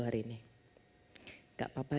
hari ini gak apa apa